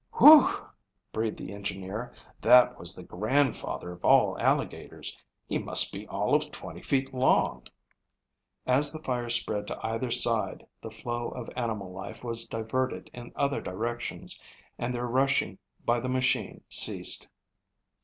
"Whew!" breathed the engineer, "that was the grandfather of all alligators. He must be all of twenty feet long." As the fire spread to either side the flow of animal life was diverted in other directions and their rushing by the machine ceased.